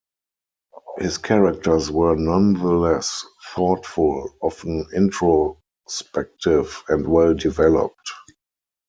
His characters were nonetheless thoughtful, often introspective, and well developed.